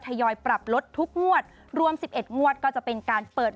ทยอยปรับลดทุกงวดรวม๑๑งวดก็จะเป็นการเปิด